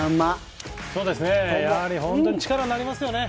本当に力になりますよね。